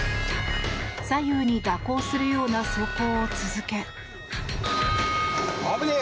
左右に蛇行するような走行を続け。